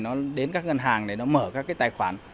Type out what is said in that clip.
nó đến các ngân hàng để nó mở các cái tài khoản